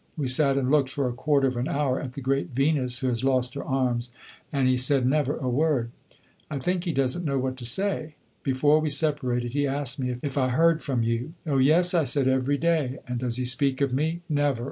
We sat and looked for a quarter of an hour at the great Venus who has lost her arms, and he said never a word. I think he does n't know what to say. Before we separated he asked me if I heard from you. 'Oh, yes,' I said, 'every day.' 'And does he speak of me?' 'Never!